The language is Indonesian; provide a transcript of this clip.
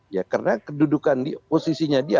ya karena kedudukan posisinya dia